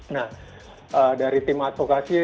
nah dari tim advokasi